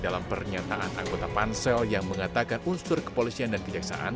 dalam pernyataan anggota pansel yang mengatakan unsur kepolisian dan kejaksaan